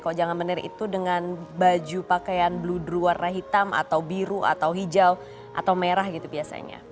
kalau jangan menir itu dengan baju pakaian blue dream warna hitam atau biru atau hijau atau merah gitu biasanya